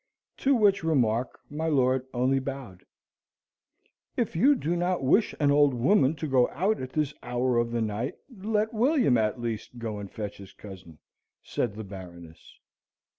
To which remark my lord only bowed. "If you do not wish an old woman to go out at this hour of the night, let William, at least, go and fetch his cousin," said the Baroness.